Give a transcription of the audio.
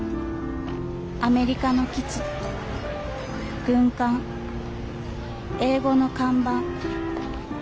アメリカの基地軍艦英語の看板。